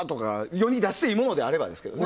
世に出していいものであればですけどね。